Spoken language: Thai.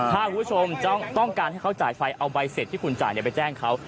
ถ้าคุณผู้ชมต้องการให้เขาจ่ายไฟเอาใบเสร็จที่คุณจ่ายไปแจ้งเขา